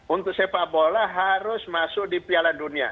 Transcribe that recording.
untuk sepak bola harus masuk di piala dunia